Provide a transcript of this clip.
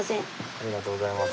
ありがとうございます。